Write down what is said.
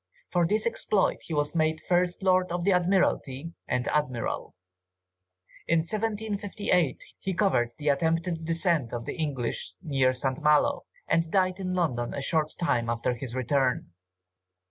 For this exploit, he was made First Lord of the Admiralty and Admiral. In 1758, he covered the attempted descent of the English near St. Malo, and died in London a short time after his return.